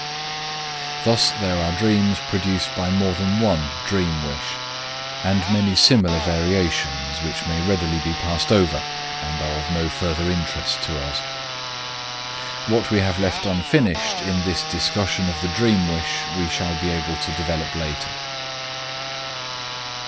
Thus there are dreams produced by more than one dream wish, and many similar variations which may readily be passed over and are of no further interest to us. What we have left unfinished in this discussion of the dream wish we shall be able to develop later.